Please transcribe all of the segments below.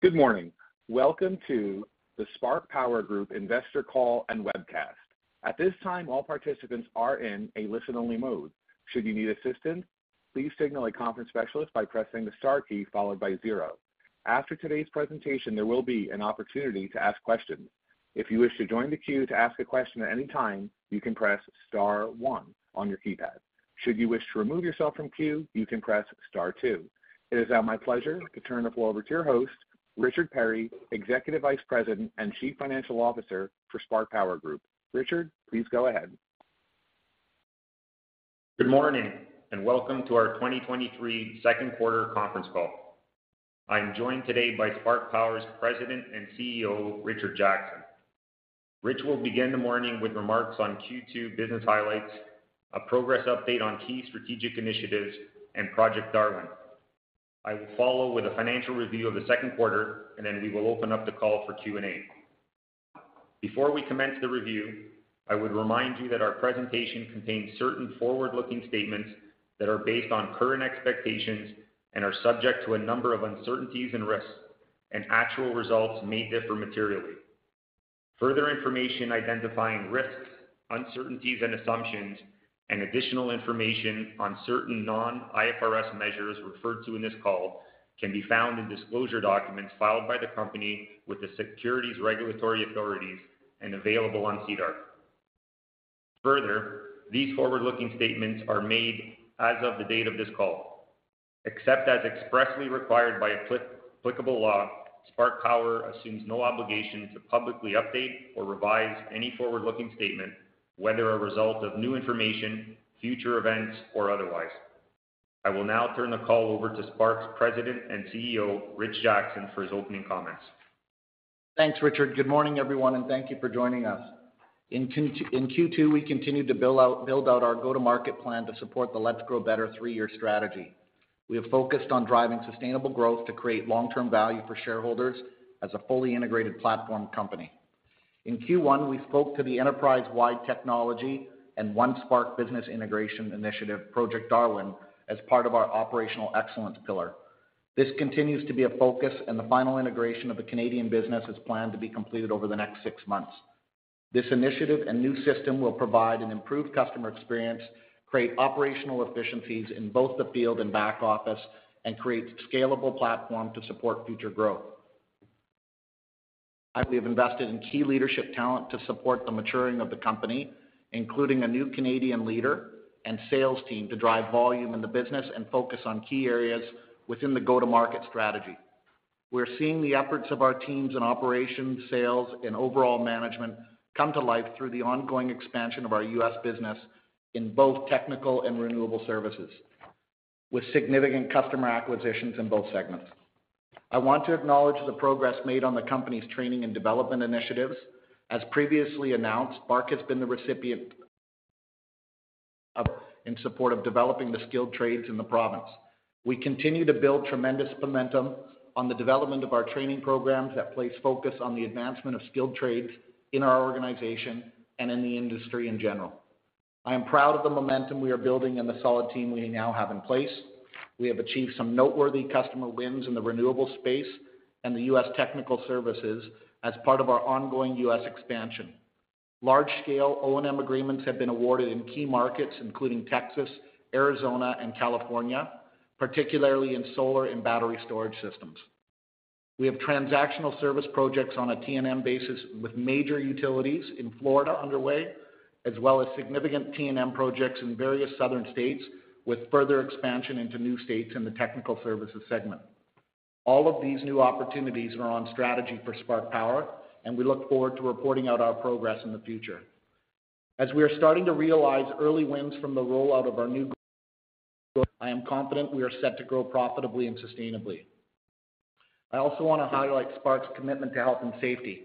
Good morning. Welcome to the Spark Power Group Investor Call and Webcast. At this time, all participants are in a listen-only mode. Should you need assistance, please signal a conference specialist by pressing the star key followed by zero. After today's presentation, there will be an opportunity to ask questions. If you wish to join the queue to ask a question at any time, you can press star one on your keypad. Should you wish to remove yourself from queue, you can press star two. It is now my pleasure to turn the floor over to your host, Richard Perri, Executive Vice President and Chief Financial Officer for Spark Power Group. Richard, please go ahead. Good morning, and welcome to our 2023 2nd Quarter Conference Call. I am joined today by Spark Power's President and CEO, Richard Jackson. Rich will begin the morning with remarks on Q2 business highlights, a progress update on key strategic initiatives and Project Darwin. I will follow with a financial review of the 2nd quarter, and then we will open up the call for Q&A. Before we commence the review, I would remind you that our presentation contains certain forward-looking statements that are based on current expectations and are subject to a number of uncertainties and risks, and actual results may differ materially. Further information identifying risks, uncertainties, and assumptions, and additional information on certain non-IFRS measures referred to in this call can be found in disclosure documents filed by the company with the securities regulatory authorities and available on SEDAR. Further, these forward-looking statements are made as of the date of this call. Except as expressly required by applicable law, Spark Power assumes no obligation to publicly update or revise any forward-looking statement, whether a result of new information, future events, or otherwise. I will now turn the call over to Spark's President and CEO, Rich Jackson, for his opening comments. Thanks, Richard. Good morning, everyone, and thank you for joining us. In Q2, we continued to build out our go-to-market plan to support the Let's Grow Better three strategy. We have focused on driving sustainable growth to create long-term value for shareholders as a fully integrated platform company. In Q1, we spoke to the enterprise-wide technology and One Spark business integration initiative, Project Darwin, as part of our operational excellence pillar. This continues to be a focus. The final integration of the Canadian business is planned to be completed over the next 6 months. This initiative and new system will provide an improved customer experience, create operational efficiencies in both the field and back office, and create scalable platform to support future growth. We have invested in key leadership talent to support the maturing of the company, including a new Canadian leader and sales team, to drive volume in the business and focus on key areas within the go-to-market strategy. We're seeing the efforts of our teams in operations, sales, and overall management come to life through the ongoing expansion of our US business in both technical and renewable services, with significant customer acquisitions in both segments. I want to acknowledge the progress made on the company's training and development initiatives. As previously announced, Spark has been the recipient of... in support of developing the skilled trades in the province. We continue to build tremendous momentum on the development of our training programs that place focus on the advancement of skilled trades in our organization and in the industry in general. I am proud of the momentum we are building and the solid team we now have in place. We have achieved some noteworthy customer wins in the renewable space and the US technical services as part of our ongoing US expansion. Large-scale O&M agreements have been awarded in key markets, including Texas, Arizona, and California, particularly in solar and battery storage systems. We have transactional service projects on a T&M basis with major utilities in Florida underway, as well as significant T&M projects in various southern states, with further expansion into new states in the technical services segment. All of these new opportunities are on strategy for Spark Power, and we look forward to reporting out our progress in the future. As we are starting to realize early wins from the rollout of our new-. I am confident we are set to grow profitably and sustainably. I also want to highlight Spark's commitment to health and safety.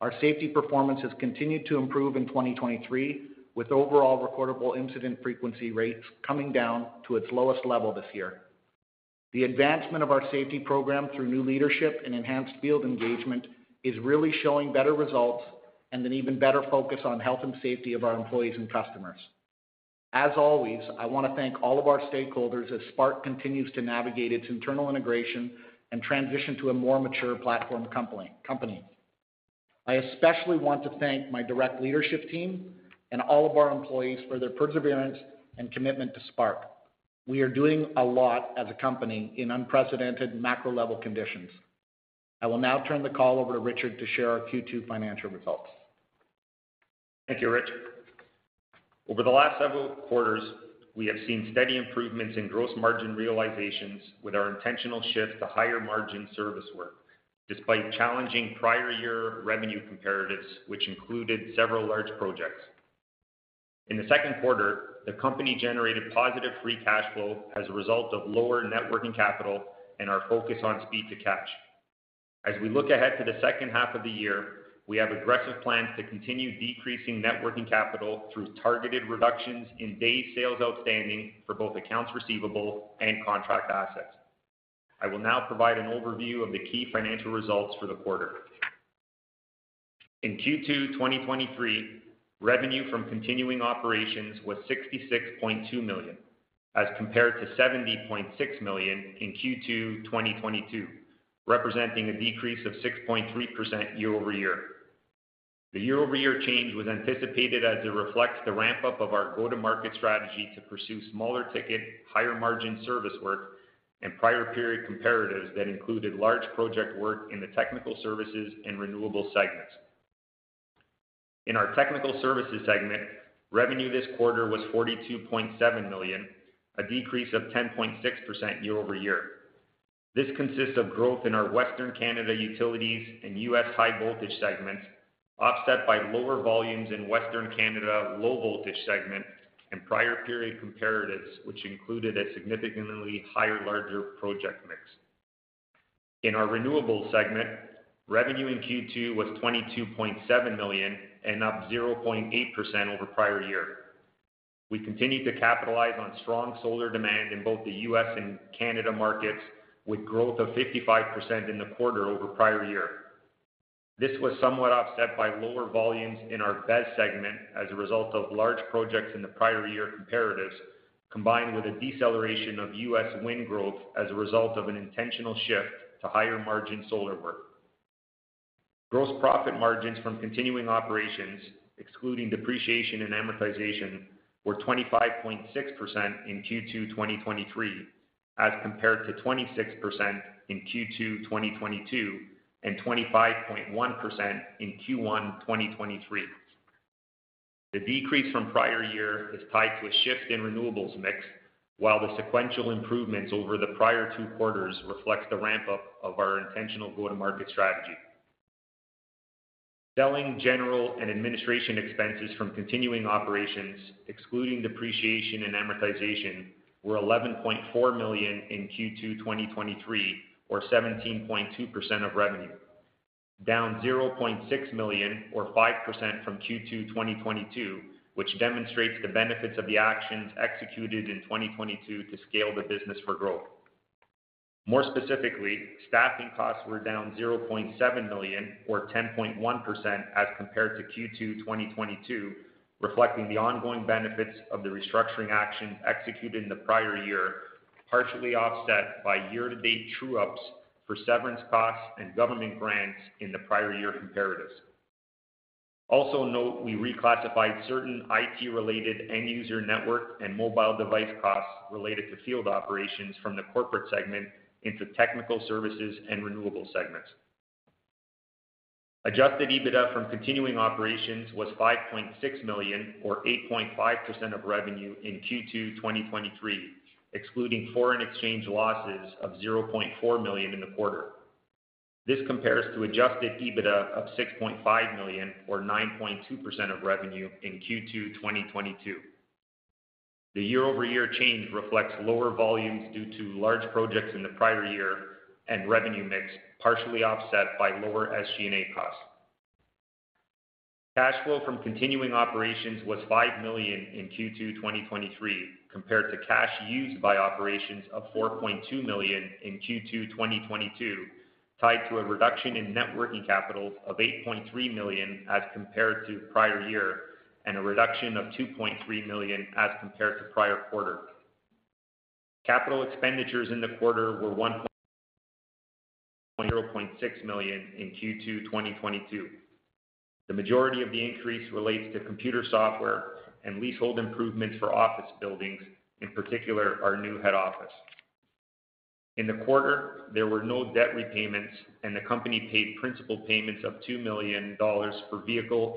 Our safety performance has continued to improve in 2023, with overall recordable incident frequency rates coming down to its lowest level this year. The advancement of our safety program through new leadership and enhanced field engagement is really showing better results and an even better focus on health and safety of our employees and customers. As always, I want to thank all of our stakeholders as Spark continues to navigate its internal integration and transition to a more mature platform company. I especially want to thank my direct leadership team and all of our employees for their perseverance and commitment to Spark. We are doing a lot as a company in unprecedented macro-level conditions. I will now turn the call over to Richard to share our Q2 financial results. Thank you, Rich. Over the last several quarters, we have seen steady improvements in gross margin realizations with our intentional shift to higher-margin service work, despite challenging prior year revenue comparatives, which included several large projects. In the second quarter, the company generated positive free cash flow as a result of lower net working capital and our focus on speed to cash. As we look ahead to the second half of the year, we have aggressive plans to continue decreasing net working capital through targeted reductions in days sales outstanding for both accounts receivable and contract assets. I will now provide an overview of the key financial results for the quarter. In Q2 2023, revenue from continuing operations was 66.2 million, as compared to 70.6 million in Q2 2022, representing a decrease of 6.3% year-over-year. The year-over-year change was anticipated as it reflects the ramp-up of our go-to-market strategy to pursue smaller ticket, higher margin service work and prior period comparatives that included large project work in the technical services and Renewables segments. In our technical services segment, revenue this quarter was 42.7 million, a decrease of 10.6% year-over-year. This consists of growth in our Western Canada utilities and U.S. high voltage segments, offset by lower volumes in Western Canada low voltage segment and prior period comparatives, which included a significantly higher, larger project mix. In our Renewables segment, revenue in Q2 was 22.7 million and up 0.8% over prior year. We continued to capitalize on strong solar demand in both the U.S. and Canada markets, with growth of 55% in the quarter over prior year. This was somewhat offset by lower volumes in our Renewables segment as a result of large projects in the prior year comparatives, combined with a deceleration of U.S. wind growth as a result of an intentional shift to higher margin solar work. Gross profit margins from continuing operations, excluding depreciation and amortization, were 25.6% in Q2 2023, as compared to 26% in Q2 2022 and 25.1% in Q1 2023. The decrease from prior year is tied to a shift in renewables mix, while the sequential improvements over the prior two quarters reflects the ramp-up of our intentional go-to-market strategy. Selling general and administration expenses from continuing operations, excluding depreciation and amortization, were 11.4 million in Q2 2023, or 17.2% of revenue, down 0.6 million, or 5% from Q2 2022, which demonstrates the benefits of the actions executed in 2022 to scale the business for growth. More specifically, staffing costs were down 0.7 million, or 10.1% as compared to Q2 2022, reflecting the ongoing benefits of the restructuring action executed in the prior year, partially offset by year-to-date true ups for severance costs and government grants in the prior year comparatives. Also note, we reclassified certain IT-related end user network and mobile device costs related to field operations from the corporate segment into technical services and Renewables segments. Adjusted EBITDA from continuing operations was 5.6 million, or 8.5% of revenue in Q2 2023, excluding foreign exchange losses of 0.4 million in the quarter. This compares to adjusted EBITDA of 6.5 million, or 9.2% of revenue in Q2 2022. The year-over-year change reflects lower volumes due to large projects in the prior year and revenue mix, partially offset by lower SG&A costs. Cash flow from continuing operations was 5 million in Q2 2023, compared to cash used by operations of 4.2 million in Q2 2022, tied to a reduction in net working capital of 8.3 million as compared to prior year, and a reduction of 2.3 million as compared to prior quarter. Capital expenditures in the quarter were down 0.6 million in Q2 2022. The majority of the increase relates to computer software and leasehold improvements for office buildings, in particular, our new head office. In the quarter, there were no debt repayments and the company paid principal payments of $2 million for vehicle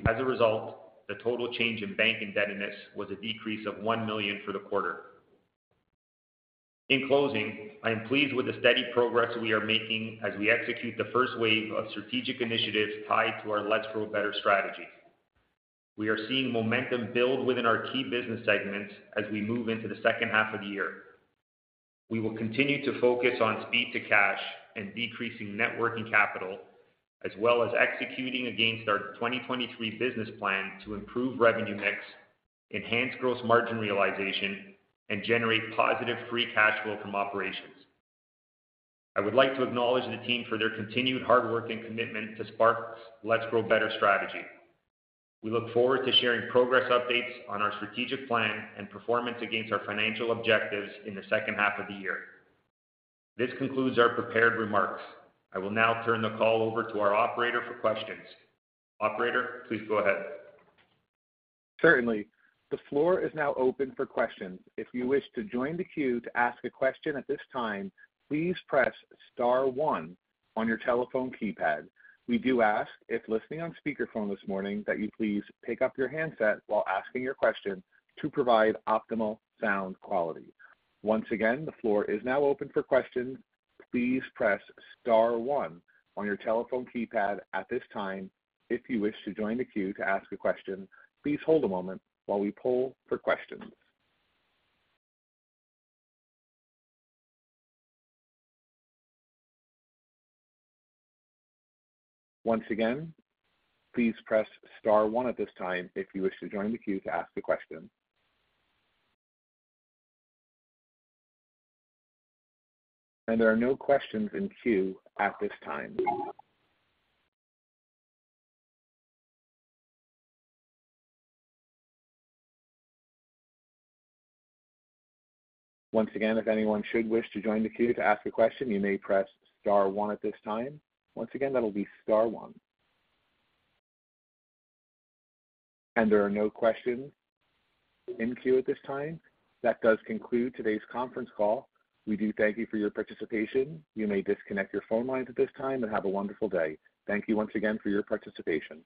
and premises. As a result, the total change in bank indebtedness was a decrease of $1 million for the quarter. In closing, I am pleased with the steady progress we are making as we execute the first wave of strategic initiatives tied to our Let's Grow Better strategy. We are seeing momentum build within our key business segments as we move into the second half of the year. We will continue to focus on speed to cash and decreasing net working capital, as well as executing against our 2023 business plan to improve revenue mix, enhance gross margin realization, and generate positive free cash flow from operations. I would like to acknowledge the team for their continued hard work and commitment to Spark's Let's Grow Better strategy. We look forward to sharing progress updates on our strategic plan and performance against our financial objectives in the second half of the year. This concludes our prepared remarks. I will now turn the call over to our operator for questions. Operator, please go ahead. Certainly. The floor is now open for questions. If you wish to join the queue to ask a question at this time, please press star one on your telephone keypad. We do ask if listening on speaker phone this morning, that you please pick up your handset while asking your question to provide optimal sound quality. Once again, the floor is now open for questions. Please press star one on your telephone keypad at this time if you wish to join the queue to ask a question. Please hold a moment while we poll for questions. Once again, please press star one at this time if you wish to join the queue to ask a question. There are no questions in queue at this time. Once again, if anyone should wish to join the queue to ask a question, you may press star one at this time. Once again, that'll be star one. There are no questions in queue at this time. That does conclude today's conference call. We do thank you for your participation. You may disconnect your phone lines at this time and have a wonderful day. Thank you once again for your participation.